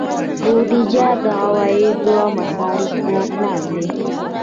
بودجه د عوایدو او مصارفو پلان دی